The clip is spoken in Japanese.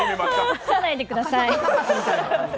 映さないでください。